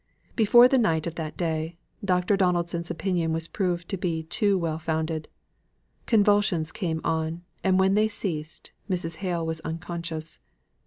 Before the night of that day, Dr. Donaldson's opinion was proved to be too well founded. Convulsions came on; and when they ceased, Mrs. Hale was unconscious.